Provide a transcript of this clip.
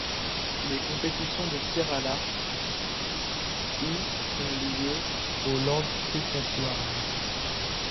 Les compétitions de tir à l'arc eu ont lieu au Lord's Cricket Ground.